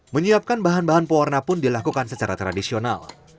menyiapkan bahan bahan pewarna pun dilakukan secara tradisional